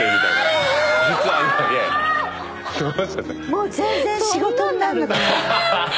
もう全然仕事になんなくなる。